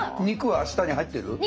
肉は下に入ってる？